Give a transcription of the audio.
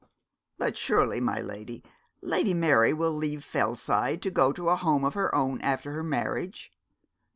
'But, surely, my lady, Lady Mary will leave Fellside to go to a home of her own after her marriage.'